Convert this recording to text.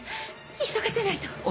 急がせないと。